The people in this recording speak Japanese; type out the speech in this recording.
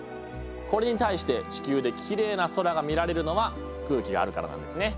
これに対して地球できれいな空が見られるのは空気があるからなんですね。